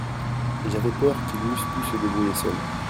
J'avais peur qu'ils n'eussent pu se débrouiller seuls.